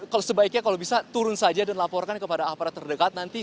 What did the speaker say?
kalau sebaiknya kalau bisa turun saja dan laporkan kepada aparat terdekat nanti